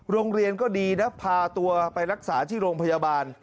โรงเรียนก็ดีนะพาตัวไปรักษาที่โรงพยาบาล